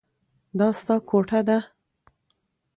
دا ستا کوټه ده.